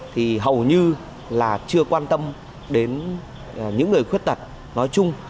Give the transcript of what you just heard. thì hầu như là chưa quan tâm đến những người khuyết tật nói chung